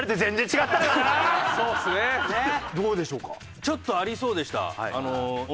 ちょっとありそうでした。